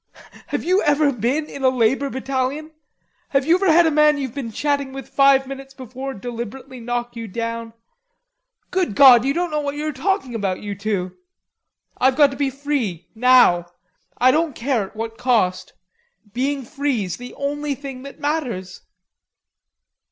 Have you ever been in a labor battalion? Have you ever had a man you'd been chatting with five minutes before deliberately knock you down? Good God, you don't know what you are talking about, you two.... I've got to be free, now. I don't care at what cost. Being free's the only thing that matters."